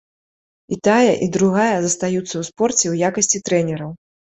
І тая, і другая застаюцца ў спорце ў якасці трэнераў.